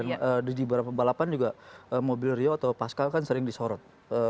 jadi di beberapa pembalapan juga mobil rio atau pascal kan sering disorot